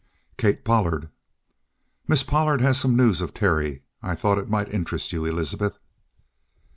"Kate Pollard." "Miss Pollard has some news of Terry. I thought it might interest you, Elizabeth."